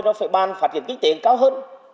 nó sẽ ban phát triển kinh tế cao hơn